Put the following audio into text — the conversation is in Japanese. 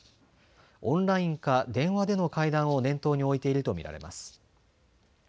オンラインか電話での会談を念頭に置いていると見られます。